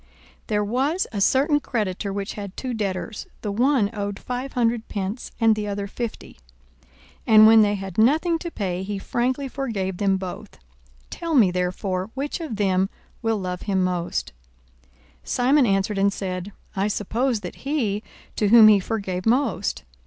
42:007:041 There was a certain creditor which had two debtors: the one owed five hundred pence, and the other fifty. 42:007:042 And when they had nothing to pay, he frankly forgave them both. Tell me therefore, which of them will love him most? 42:007:043 Simon answered and said, I suppose that he, to whom he forgave most.